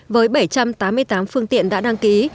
với bảy trăm tám mươi tám phương tiện đã đăng ký